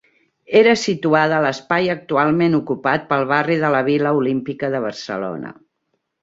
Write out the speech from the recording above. Era situada a l'espai actualment ocupat pel barri de la Vila Olímpica de Barcelona.